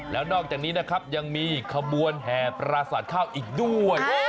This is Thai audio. แล้วนอกจากนี้นะครับยังมีขบวนแห่ปราสาทข้าวอีกด้วย